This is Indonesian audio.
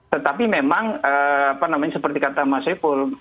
tetapi memang seperti kata mas saiful